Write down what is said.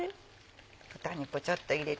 豚肉ちょっと入れて。